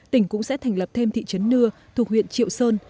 tỉnh cũng sẽ thành lập thêm thị trấn nưa thuộc huyện triệu sơn